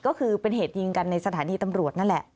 ก็คือเป็นเหตุยิงกันในสถานีตำรวจนั่นแหละ